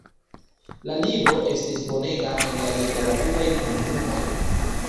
La libro estis bonega en la literaturaj komunumoj.